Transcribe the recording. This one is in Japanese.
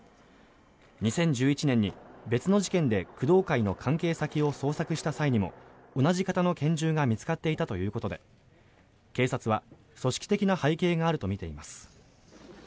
２０１１年に別の事件で工藤会の関係先を捜索した際にも同じ型の拳銃が見つかっていたということで警察は、組織的な背景があるとみています。